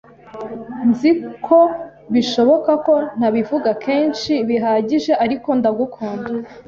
Nzi ko bishoboka ko ntabivuga kenshi bihagije, ariko ndagukunda.